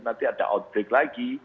nanti ada outbreak lagi